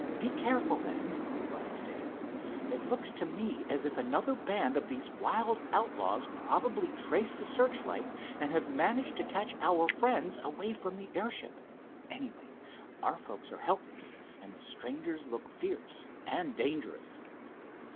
"Be careful, then," advised Dave. "It looks to me as if another band of these wild outlaws probably traced the searchlight, and have managed to catch our friends away from the airship. Anyway, our folks are helpless, and the strangers look fierce and dangerous."